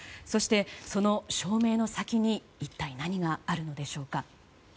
そして、その証明の先に一体何があるのでしょうか。